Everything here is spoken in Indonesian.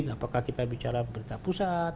apakah kita bicara pemerintah pusat